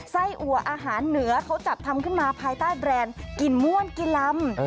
ไส้อัวอาหารเหนือเขาจัดทำขึ้นมาภายใต้แบรนด์กินม่วนกิลำ